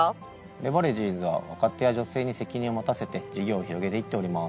レバレジーズは若手や女性に責任を持たせて事業を広げて行っております。